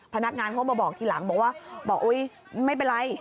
พนักงานเขามาบอกทีหลังบอกว่าบอกอุ๊ยไม่เป็นไร